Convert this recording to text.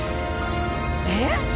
えっ？